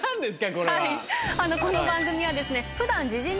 この番組はですね普段。